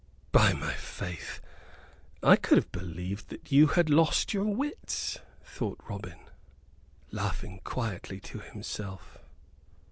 "By my faith, I could have believed that you had lost your wits," thought Robin, laughing quietly to himself.